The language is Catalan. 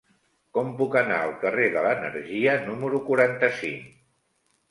Com puc anar al carrer de l'Energia número quaranta-cinc?